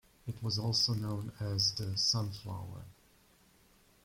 It was also known as the "Sunflower".